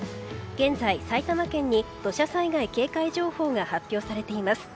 現在、埼玉県に土砂災害警戒情報が発表されています。